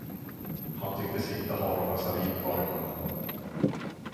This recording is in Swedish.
Han tycktes inte ha någon saliv kvar i munnen.